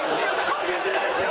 ハゲてないですよ！